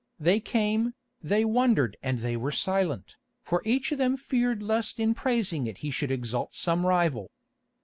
They came, they wondered and they were silent, for each of them feared lest in praising it he should exalt some rival.